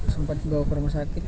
sempat dibawa ke rumah sakit